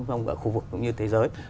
bốn ở khu vực cũng như thế giới